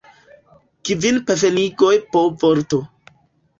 Kvin pfenigoj po vorto.